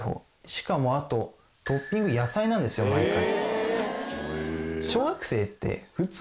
しかもあとトッピングやさいなんですよ毎回。